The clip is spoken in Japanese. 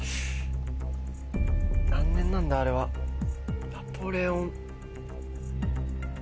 何年なんだあれは「ナポレオン」。